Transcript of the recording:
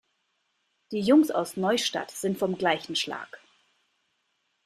Die Jungs aus Neustadt sind vom gleichen Schlag.